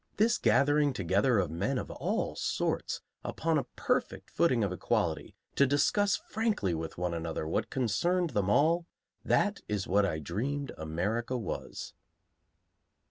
This gathering together of men of all sorts upon a perfect footing of equality to discuss frankly with one another what concerned them all, that is what I dreamed America was."